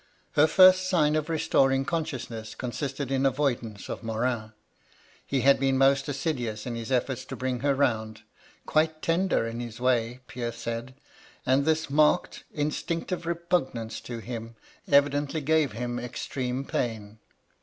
Her first sign of restoring con sciousness consisted in avoidance of Morin. He had been most assiduous in his efforts to bring her round ; quite tender in his way, Pierre said ; and this marked, instinctive repugnance to him evidently gave him extreme pain.